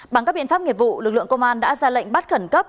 bằng các biện pháp nghiệp vụ lực lượng công an đã ra lệnh bắt khẩn cấp